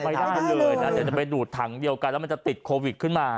ไม่ได้เลยนะเดี๋ยวจะไปดูดถังเดียวกันแล้วมันจะติดโควิดขึ้นมา